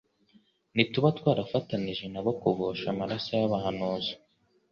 ntituba twarafatanije na bo kuvusha amaraso y'abahanuzi.